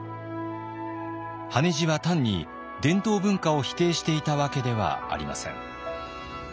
羽地は単に伝統文化を否定していたわけではありません。